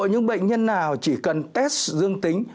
những bệnh nhân nào chỉ cần test dương tính